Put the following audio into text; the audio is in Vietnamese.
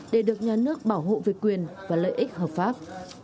để được nhà nước bảo hộ về quyền và lợi ích hợp pháp